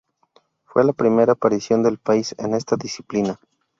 Fue la primera aparición del país en esta disciplina.